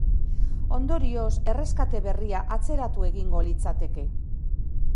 Ondorioz, erreskate berria atzeratu egingo litzateke.